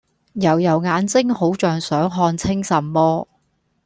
揉揉眼睛好像想看清什麼